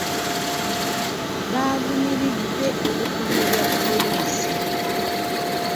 Baavumiridde obukambwe bwa poliisi.